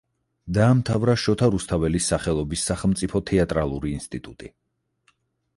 დაამთავრა შოთა რუსთაველის სახელობის სახელმწიფო თეატრალური ინსტიტუტი.